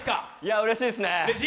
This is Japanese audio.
うれしいですね。